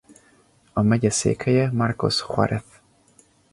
A megye székhelye Marcos Juárez.